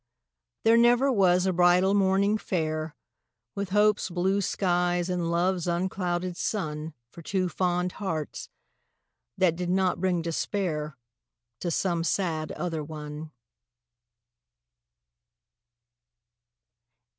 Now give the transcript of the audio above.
There never was a bridal morning fair With hope's blue skies and love's unclouded sun For two fond hearts, that did not bring despair To some sad other one.